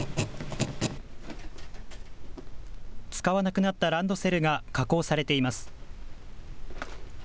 使わなくなったランドセルが加工されています。